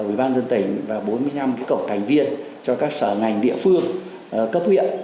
ubnd tỉnh và bốn mươi năm cổng thành viên cho các sở ngành địa phương cấp huyện